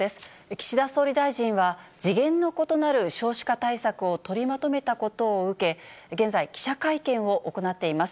岸田総理大臣は、次元の異なる少子化対策を取りまとめたことを受け、現在、記者会見を行っています。